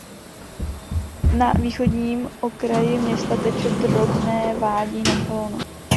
Na východním okraji města teče drobné vádí Nachal Ono.